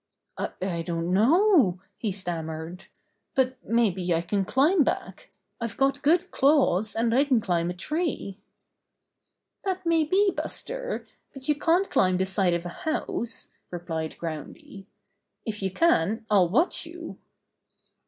"I don't know," he stammered. "But may be I can climb back. I've got good claws, and I can climb a tree." "That may be, Buster, but you can't climb the side of a house," replied Groundy, "If you can I'll watch you."